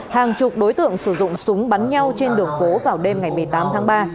hàng chục đối tượng sử dụng súng bắn nhau trên đường phố vào đêm ngày một mươi tám tháng ba